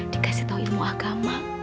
dikasih tau ilmu agama